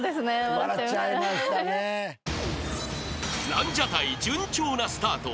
［ランジャタイ順調なスタート。